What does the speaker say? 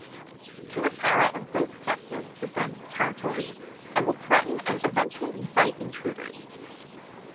Tuatara of both sexes defend territories, and will threaten and eventually bite intruders.